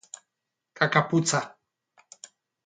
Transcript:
kaka putza!